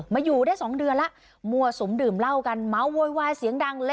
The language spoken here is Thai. มาอยู่ได้๒เดือนละมวชสมดื่มเล่ากันเมาะโหยไว้เสียงดังเล่น